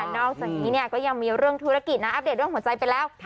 นอกจากนี้ก็ยังมีเรื่องธุรกิจนะอัปเดตเรื่องหัวใจไปแล้ว